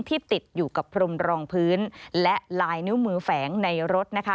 ติดอยู่กับพรมรองพื้นและลายนิ้วมือแฝงในรถนะคะ